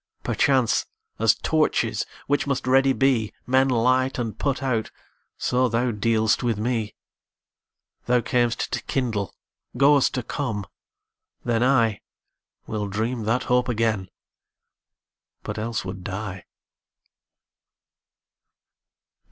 Perchance, as torches, which must ready be, Men light and put out, so thou dealst with me. Thou cam'st to kindle, goest to come: then IWill dream that hope again, but else would die.